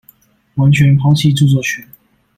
完全拋棄著作權